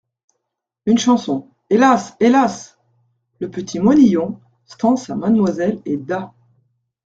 Une Chanson : «Hélas ! Hélas !…» Le petit moinillon, stances à Mademoiselle est d'A.